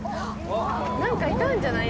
何かいたんじゃない？